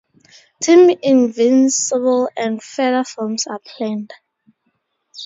Team Invincible and further films are planned.